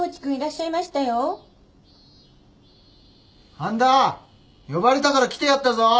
半田呼ばれたから来てやったぞ。